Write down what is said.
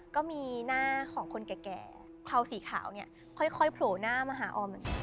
ก็มีหน้าของคนแก่เขาสีขาวค่อยโผล่หน้ามหาออมเหมือนกัน